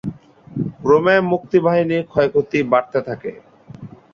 ক্রমে মুক্তিবাহিনীর ক্ষয়ক্ষতি বাড়তে থাকে।